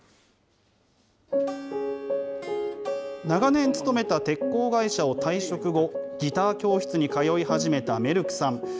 長年勤めた鉄鋼会社を退職後、ギター教室に通い始めたメルクさん。